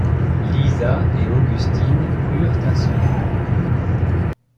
Lisa et Augustine eurent un sourire.